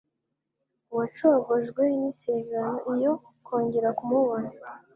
wacogojwe n'isezerano iyo kongera kumubona.